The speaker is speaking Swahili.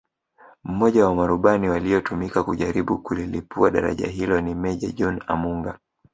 Mmoja wa marubani waliotumika kujaribu kulilipua daraja hilo ni Meja John Amunga